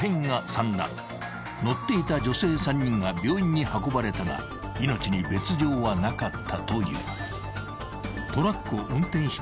［乗っていた女性３人が病院に運ばれたが命に別条はなかったという］